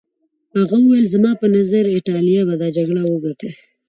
هغه وویل زما په نظر ایټالیا به دا جګړه وګټي.